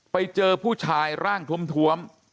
ไปเจอผู้ชายร่างทวม